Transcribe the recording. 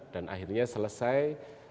dan akhirnya selesai